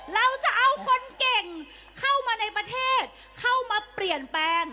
เราจะเอาคนเก่งเข้ามาในประเทศเข้ามาเปลี่ยนแปลง